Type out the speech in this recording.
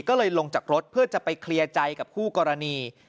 ก็เลยลงจากรถเพื่อจะไปเคลียร์ใจกับคู่กรณี